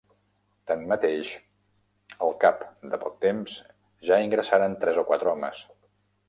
Tanmateix, al cap de poc temps ja ingressaren tres o quatre homes.